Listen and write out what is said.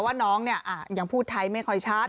ว่าน้องเนี่ยยังพูดไทยไม่ค่อยชัด